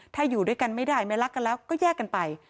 ถ้าอยู่ด้วยกันไม่ได้ไม่รักกันแล้วก็แยกกันไป